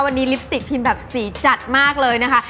วันนี้ลิปสติกพิมพ์แบบสีจัดมากเลยนะคะ